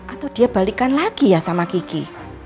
atau dia balikan lagi ya sama kiki